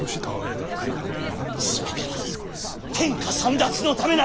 全ては天下簒奪のためなり！